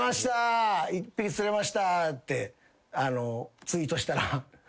１匹釣れました！ってツイートしたら。